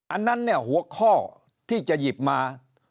อันนั้นเนี่ยหัวข้อที่จะหยิบมา